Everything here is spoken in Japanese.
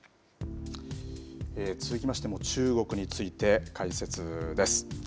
続きましても中国について解説です。